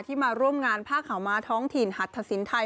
ที่มาร่วมงานภาคขาวม้าท้องถีนหัดทศิลป์ไทย